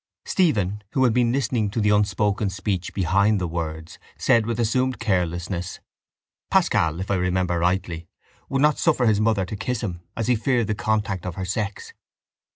Stephen, who had been listening to the unspoken speech behind the words, said with assumed carelessness: —Pascal, if I remember rightly, would not suffer his mother to kiss him as he feared the contact of her sex.